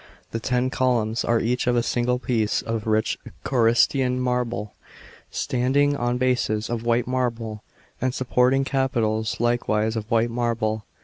* The ten columns are each of a single piece of rich C irystiau marble, standing on bases of whi'e marble and sup porting capitals likewise ot white marble.